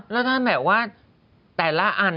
แล้วถ้าแบบว่าแต่ละอัน